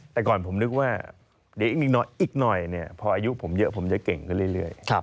แต่ก่อนผมนึกว่าเดี๋ยวอีกหน่อยพออายุผมเยอะผมจะเก่งขึ้นเรื่อย